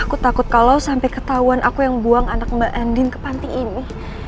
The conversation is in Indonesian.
aku takut kalau sampai ketahuan aku yang buang anak mbak andin ke panti ini